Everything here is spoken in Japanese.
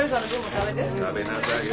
食べなさいよ。